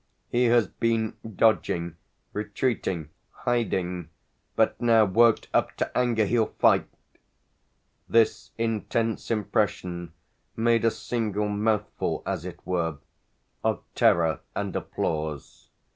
"He has been dodging, retreating, hiding, but now, worked up to anger, he'll fight!" this intense impression made a single mouthful, as it were, of terror and applause.